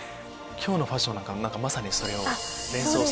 今日のファッションなんかまさにそれを連想させるような。